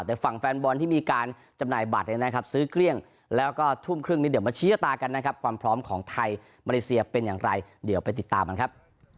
แต่ฝั่งแฟนบอลที่มีการจำหน่ายบัตรเนี่ยนะครับซื้อเกลี้ยงแล้วก็ทุ่มครึ่งนี้เดี๋ยวมาชี้ชะตากันนะครับความพร้อมของไทยมาเลเซียเป็นอย่างไรเดี๋ยวไปติดตามกันครับ